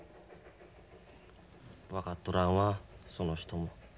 分かっとらんわその人も。